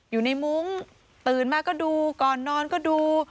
มุ้งตื่นมาก็ดูก่อนนอนก็ดู